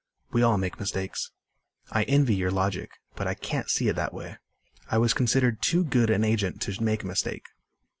"We all make mistakes." "I envy your logic. But I can't see it that way. I was considered too good an agent to make a mistake."